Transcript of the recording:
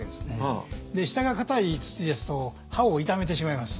下がかたい土ですと刃を傷めてしまいます。